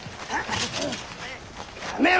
やめろ！